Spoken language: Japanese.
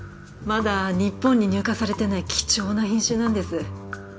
まだ日本に入荷されてない貴重な品種なんです。